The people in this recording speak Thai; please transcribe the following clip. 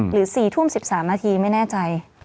๔ทุ่ม๑๓นาทีไม่แน่ใจ